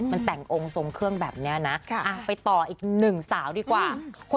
มันแต่งองค์ทรงเครื่องแบบนี้นะไปต่ออีกหนึ่งสาวดีกว่า